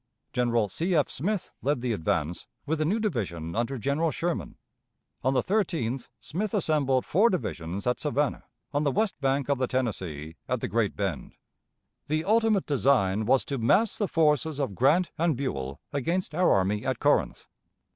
General C. F. Smith led the advance, with a new division under General Sherman. On the 13th Smith assembled four divisions at Savannah, on the west bank of the Tennessee, at the Great Bend. The ultimate design was to mass the forces of Grant and Buell against our army at Corinth.